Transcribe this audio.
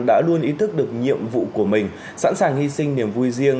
đã luôn ý thức được nhiệm vụ của mình sẵn sàng hy sinh niềm vui riêng